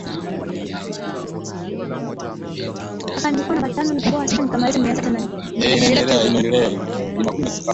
Kisiwa cha Zanzibar ni nyumba ya Freddie Mercury